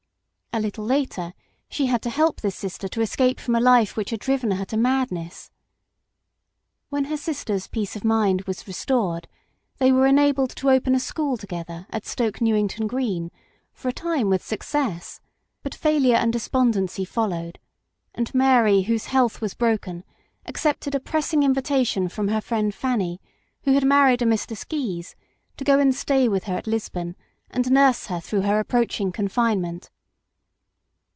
A little later she had to help this sister to escape from a life which had driven her to madness. When her sister's peace of mind was restored, they were enabled to open a school together at Stoke Newington Green, for a time with success; but failure and despondency followed, and Mary, whose health was broken, accepted a pressing invitation from her friend Fanny, who had married a Mr. Skeys, to go and stay with her at Lisbon, and nurse her through her approaching confinement.